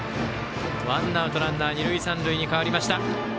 ワンアウト、ランナー二塁三塁に変わりました。